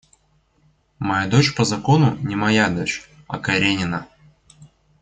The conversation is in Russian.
Моя дочь по закону — не моя дочь, а Каренина.